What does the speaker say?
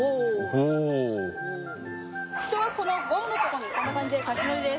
人はこのゴムの所にこんな感じで立ち乗りです。